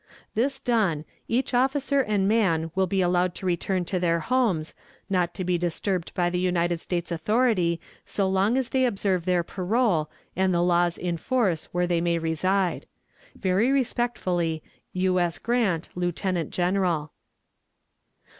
"This done, each officer and man will be allowed to return to their homes, not to be disturbed by the United States authority so long as they observe their parole and the laws in force where they may reside. "Very respectfully, "U. S. GRANT, _Lieutenant General.